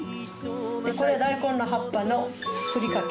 でこれは大根の葉っぱのふりかけ。